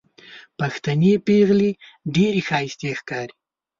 پښتنې پېغلې ډېرې ښايستې ښکاري